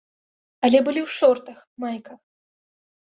Але былі і ў шортах, майках.